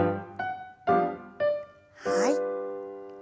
はい。